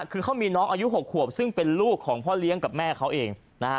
คือเขามีน้องอายุ๖ขวบซึ่งเป็นลูกของพ่อเลี้ยงกับแม่เขาเองนะฮะ